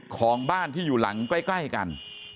ของบ้านที่อยู่หลังใกล้กัน